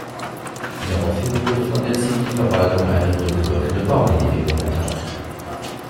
Daraufhin wurde von der Zivilverwaltung eine rückwirkende Baugenehmigung erteilt.